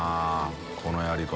このやり方。